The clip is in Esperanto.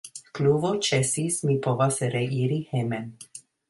Pluvo ĉesis, mi povas reiri hejmen.